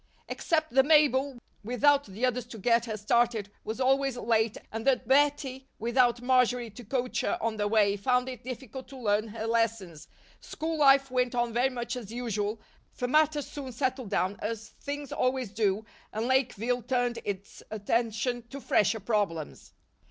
Except that Mabel, without the others to get her started, was always late and that Bettie, without Marjory to coach her on the way, found it difficult to learn her lessons, school life went on very much as usual, for matters soon settled down as things always do and Lakeville turned its attention to fresher problems.